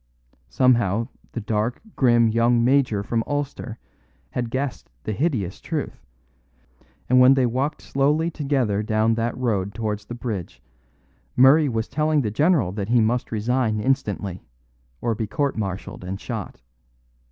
Somehow the dark, grim young major from Ulster had guessed the hideous truth; and when they walked slowly together down that road towards the bridge Murray was telling the general that he must resign instantly, or be court martialled and shot.